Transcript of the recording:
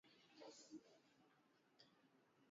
Ngombe hushambuliwa zaidi na ungojwa wa mapele ya ngozi